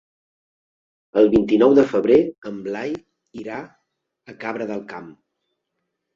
El vint-i-nou de febrer en Blai irà a Cabra del Camp.